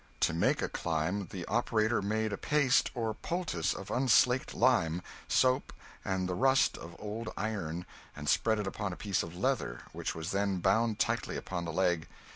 To make a clime, the operator made a paste or poultice of unslaked lime, soap, and the rust of old iron, and spread it upon a piece of leather, which was then bound tightly upon the leg.